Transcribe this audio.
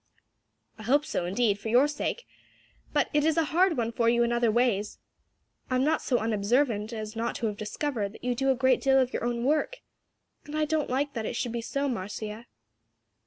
"I hope so, indeed, for your sake, but it is a hard one for you in other ways. I am not so unobservant as not to have discovered that you do a great deal of your own work. And I don't like that it should be so, Marcia."